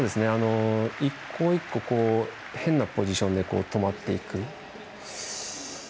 一個一個変なポジションで止まっていく。